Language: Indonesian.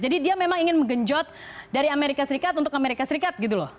jadi dia memang ingin menggenjot dari amerika serikat untuk amerika serikat gitu loh